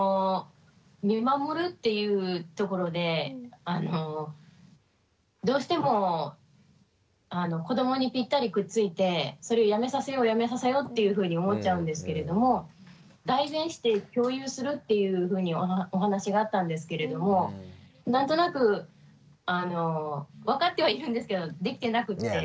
見守るっていうところでどうしても子どもにぴったりくっついてそれをやめさせようやめさせようっていうふうに思っちゃうんですけれども代弁して共有するっていうふうにお話があったんですけれども何となくわかってはいるんですけどできてなくって。